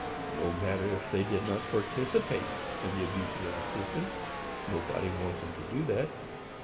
No matter if they did not participate in the abuses of the system; nobody wants them to do that.